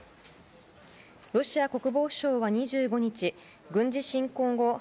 ロシア国防省は２５日軍事侵攻後